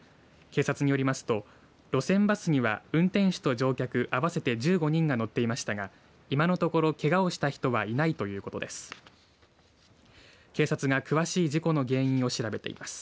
警察によりますと路線バスには運転手と乗客合わせて１５人が乗っていましたが今のところ、けがをした人はいないということです。